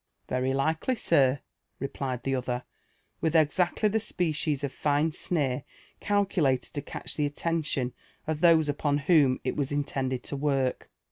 m^ ^*T«ry likely, srr," replied Ihe olher with exacHy Ihe specieSyOf^d sneer calctilalcd to catcli the altontioo of (hose upon whom it was ^. tended to work.